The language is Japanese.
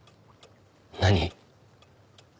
何？